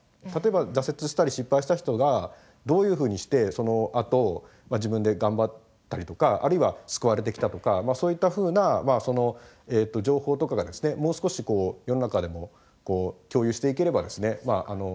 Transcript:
例えば挫折したり失敗した人がどういうふうにしてそのあと自分で頑張ったりとかあるいは救われてきたとかそういったふうな情報とかがですねもう少し世の中でも共有していければですね